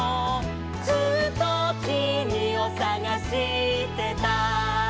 「ずっときみをさがしてた」